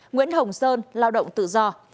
nguyễn hồng sơn lao động tự do